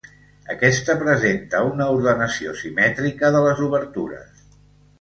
Aquesta presenta una ordenació simètrica de les obertures.